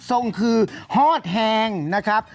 ทรงคือฮอดแฮงนะครับ